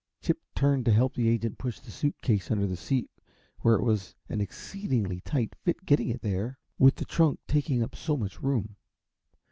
Chip turned to help the agent push the suit case under the seat, where it was an exceeding tight fit getting it there, with the trunk taking up so much room.